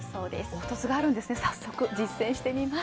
凹凸があるんですね、早速実践してみたい。